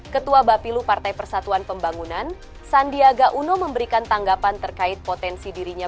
ketua bapilu partai persatuan pembangunan sandiaga uno memberikan tanggapan terkait potensi dirinya